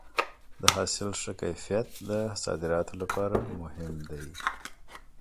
د حاصل ښه کیفیت د صادراتو لپاره مهم دی.